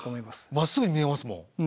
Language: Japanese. まっすぐに見えますもん。